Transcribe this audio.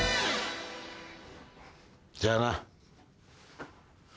じゃあな。